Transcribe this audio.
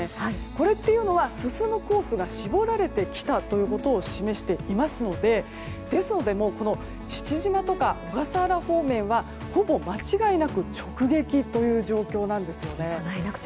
これは進むコースが絞られてきたということを示していますのでですので、父島とか小笠原方面はほぼ間違いなく直撃という状況なんです。